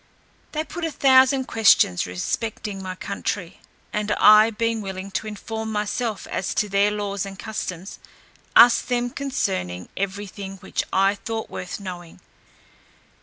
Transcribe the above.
They put a thousand questions respecting my country; and I being willing to inform myself as to their laws and customs, asked them concerning every thing which I thought worth knowing.